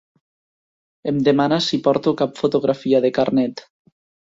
Em demana si porto cap fotografia de carnet.